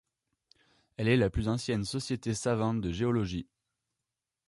Elle est la plus ancienne société savante de géologie.